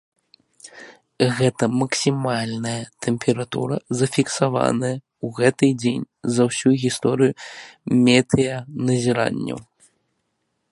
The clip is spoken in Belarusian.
Гэта максімальная тэмпература, зафіксаваная ў гэты дзень за ўсю гісторыю метэаназіранняў.